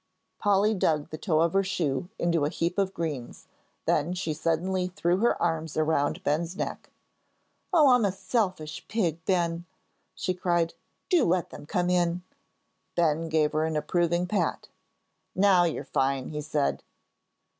Polly dug the toe of her shoe into a heap of greens, then she suddenly threw her arms around Ben's neck. "Oh, I'm a selfish pig, Ben," she cried. "Do let them come in." Ben gave her an approving pat. "Now you're fine!" he said.